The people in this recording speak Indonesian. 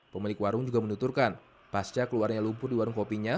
pemilik warung juga menuturkan pasca keluarnya lumpur di warung kopinya